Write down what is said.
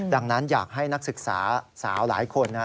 ดังนั้นอยากให้นักศึกษาสาวหลายคนนะครับ